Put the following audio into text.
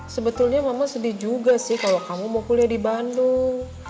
sebetulnya mama sedih juga sih kalau kamu mau kuliah di bandung